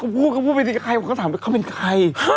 ก็คือแค่พูดมันก็ถามว่าเธอเป็นใคร